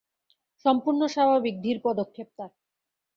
সম্পূর্ণ স্বাভাবিক ধীর পদক্ষেপ তার।